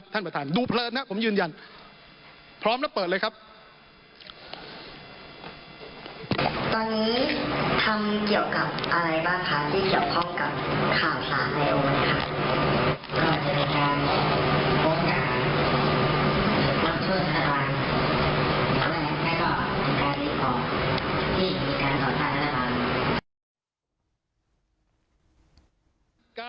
แต่ก็มันก็เรียกว่ามีเป็นแค่การต่อได้หรือเปล่า